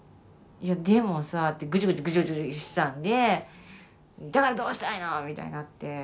「でもさ」ってグジュグジュグジュグジュしてたんで「だからどうしたいの！」みたいになって。